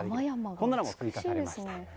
こんなのも追加されました。